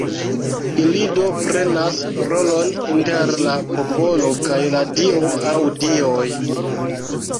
Ili do prenas rolon inter la popolo kaj la Dio aŭ Dioj.